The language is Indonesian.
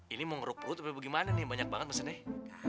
ini mau ngeruk perut apa gimana nih banyak banget pesennya